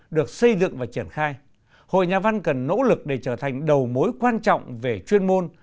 được xây dựng và triển khai hội nhà văn cần nỗ lực để trở thành đầu mối quan trọng về chuyên môn